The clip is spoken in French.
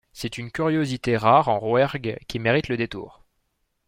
C'est une curiosité rare en Rouergue qui mérite le détour.